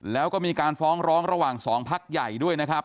แล้วก็มีการฟ้องร้องระหว่างสองพักใหญ่ด้วยนะครับ